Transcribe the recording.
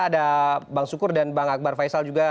ada bang sukur dan bang akbar faisal juga